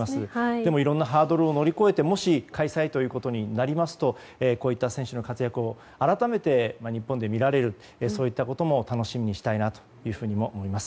でもいろんなハードルを乗り越えてもし開催ということになりますとこうした選手の活躍を改めて日本で見られることも楽しみにしたいと思います。